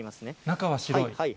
中は白い？